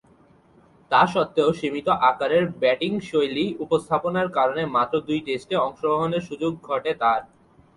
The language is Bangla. তাস্বত্ত্বেও সীমিত আকারের ব্যাটিংশৈলী উপস্থাপনার কারণে মাত্র দুই টেস্টে অংশগ্রহণের সুযোগ ঘটে তার।